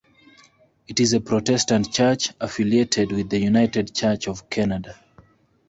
It is a Protestant church affiliated with the United Church of Canada.